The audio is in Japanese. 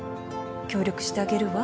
協力してあげるわ。